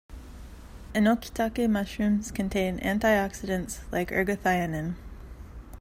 Enokitake mushrooms contain antioxidants, like ergothioneine.